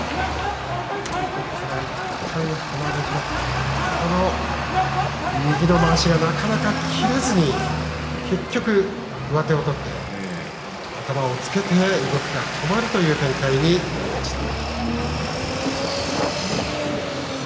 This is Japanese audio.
いったん離れて右のまわしがなかなかきれずに結局、上手を取って頭をつけて動きが止まるという展開になりました。